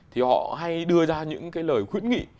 thì họ hay đưa ra những lời khuyến nghị